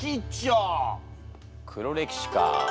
「黒歴史」か。